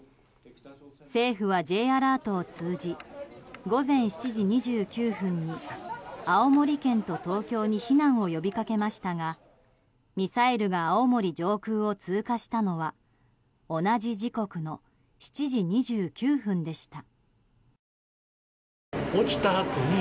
政府はＪアラートを通じ午前７時２９分に青森県と東京に避難を呼びかけましたがミサイルが青森上空を通過したのは同じ時刻の７時２９分でした。